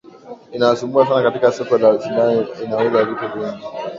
inawasumbua sana katika soko la ushindani inauza vitu vingi